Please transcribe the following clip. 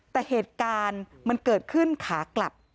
แต่เหตุการณ์มันเกิดขึ้นขากลับ